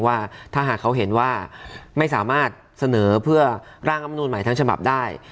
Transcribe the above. ว่าถ้าหากเขาเห็นว่าไม่สามารถเสนอเพื่อร่างอำนูลใหม่ทั้งฉบับได้